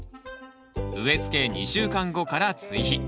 植えつけ２週間後から追肥。